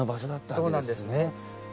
そうなんですね。